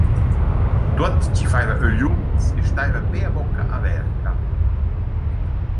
Tuot chi faiva ögliuns e staiva be a bocca averta.